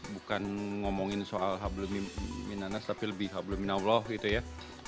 bukan ngomongin soal hablum minanas tapi lebih habluminaullah gitu ya